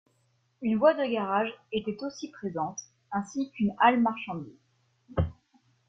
Une voie de garage était aussi présente ainsi qu'une halle marchandise.